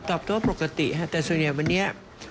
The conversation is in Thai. ตัวปกติฮะแต่ส่วนใหญ่วันนี้